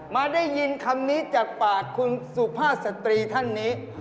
มาได้ยินคำนี้จากปากคุณสุภาพสตรีท่านนี้